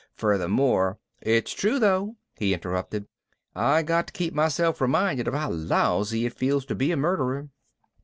Furthermore " "It's true though," he interrupted. "I got to keep myself reminded of how lousy it feels to be a murderer."